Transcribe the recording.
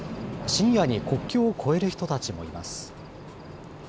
深夜に国境を越える人たちもいます。